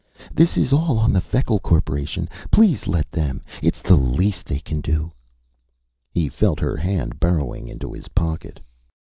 "This is all on the Feckle Corporation. Please let them it's the least they can do." He felt her hand burrowing into his pocket.